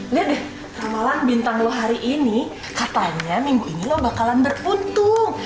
lihat deh ramalan bintang lo hari ini katanya minggu ini lo bakalan beruntung